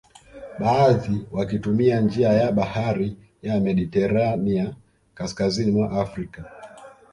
Baadhi wakitumia njia ya bahari ya Mediterania kaskazini mwa Afrika